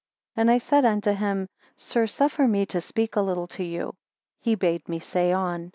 4 And I said unto him, Sir, suffer me to speak a little to you. He bade me say on.